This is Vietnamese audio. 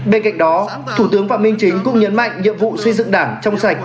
bên cạnh đó thủ tướng phạm minh chính cũng nhấn mạnh nhiệm vụ xây dựng đảng trong sạch